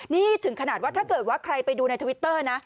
นี่ถึงขนาดว่าถ้าเกิดว่าใครไปดูในทวิตเตอร์นะ